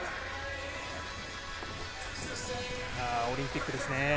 オリンピックですね。